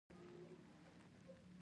خبره به رښتيا شي.